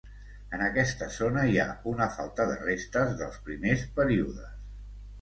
En aquesta zona hi ha una falta de restes dels primers períodes.